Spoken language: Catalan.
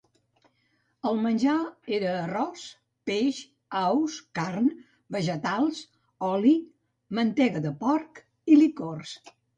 El menjar era arròs, peix, aus, carn, vegetals, oli, mantega de porc i licors.